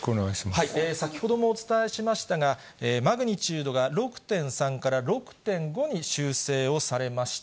先ほどもお伝えしましたが、マグニチュードが６．３から６．５に修正をされました。